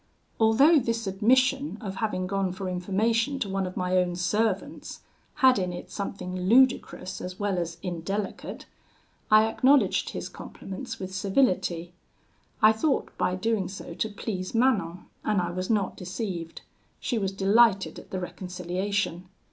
"Although this admission, of having gone for information to one of my own servants, had in it something ludicrous as well as indelicate, I acknowledged his compliments with civility, I thought by doing so to please Manon, and I was not deceived she was delighted at the reconciliation.